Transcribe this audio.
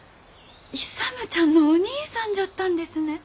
勇ちゃんのお兄さんじゃったんですね。